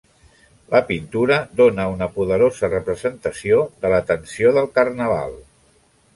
La pintura dóna una poderosa representació de la tensió del carnaval.